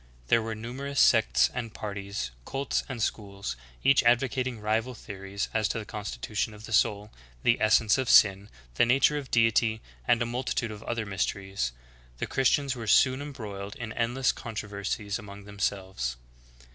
There were numerous sects and parties, cults and schools, each advocating rival theories as to the constitution of the soul, the essence of sin, the nature of Deity, and a multitude of other mysteries. The Christians were soon embroiled in endless controversies among themselves.